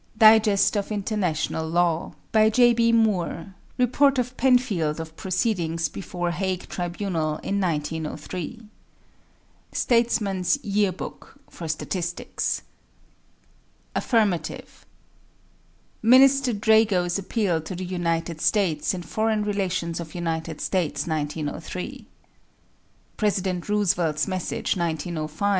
"Digest of International Law," by J.B. Moore. Report of Penfield of proceedings before Hague Tribunal in 1903. "Statesman's Year Book" (for statistics). A. Minister Drago's appeal to the United States, in Foreign Relations of United States, 1903. President Roosevelt's Message, 1905, pp.